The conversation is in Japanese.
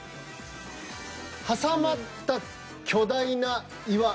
挟まった巨大な岩。